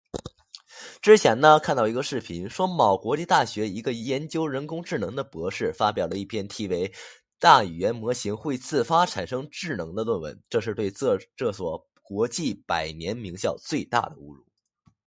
之前看到一个视频说某国际大学一个研究人工智能的博士发表了一篇题为:大语言模型会自发产生智能的论文，这是对这所国际百年名校的最大侮辱